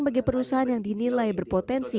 bagi perusahaan yang dinilai berpotensi